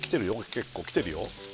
結構きてるよ